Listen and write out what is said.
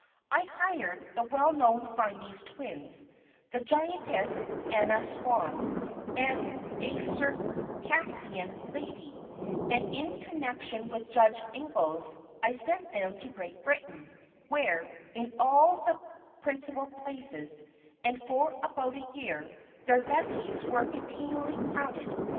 I hired the well known Siamese Twins, the giantess, Anna Swan, and a Circassian lady, and, in connection with Judge Ingalls, I sent them to Great Britain where, in all the principal places, and for about a year, their levees were continually crowded.